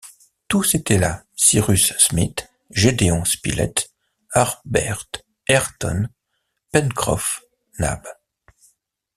Tous étaient là, Cyrus Smith, Gédéon Spilett, Harbert, Ayrton, Pencroff, Nab.